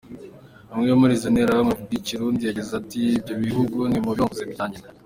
Umwe muri izo nterahamwe wavugaga Ikirundi yagize ati “Ibyo bihungu ‘nimubirongoze’ bya nyina.